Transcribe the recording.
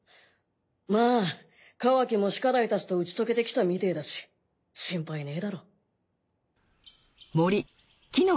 まあカワキもシカダイたちと打ち解けてきたみてぇだし心配ねえだろう。